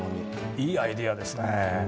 いいアイデアですねえ。